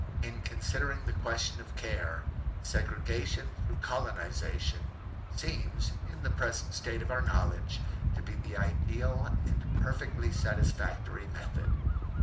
In considering the question of care, segregation through colonization seems in the present state of our knowledge to be the ideal and perfectly satisfactory method.